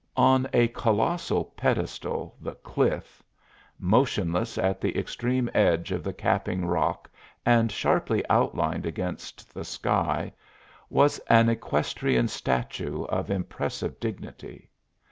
On a colossal pedestal, the cliff, motionless at the extreme edge of the capping rock and sharply outlined against the sky, was an equestrian statue of impressive dignity.